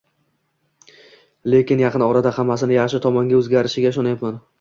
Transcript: Lekin yaqin orada hammasi yaxshi tomonga o`zgarishiga ishonyapman